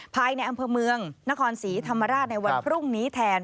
ภายในอำเภอเมืองนครศรีธรรมราชในวันพรุ่งนี้แทน